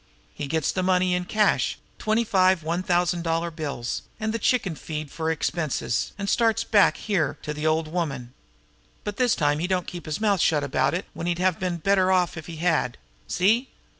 He gets the money in cash, twenty five one thousand dollar bills, an' the chicken feed for the expenses, an' starts for back here an' the old woman. But this time he don't keep his mouth shut about it when he'd have been better off if he had. See?